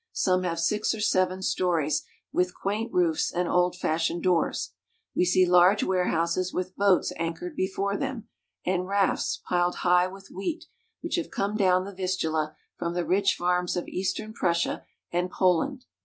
Some have six or seven stories, with quaint roofs and old fashioned doors. We see large warehouses with boats anchored before them, and rafts, piled high with wheat, which have come down the Vistula from the rich farms of eastern Prussia and Poland.